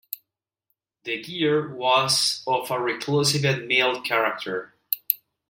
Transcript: De Geer was of a reclusive and mild character.